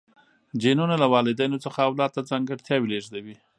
جینونه له والدینو څخه اولاد ته ځانګړتیاوې لیږدوي